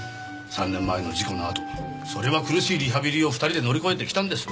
３年前の事故のあとそれは苦しいリハビリを２人で乗り越えてきたんです。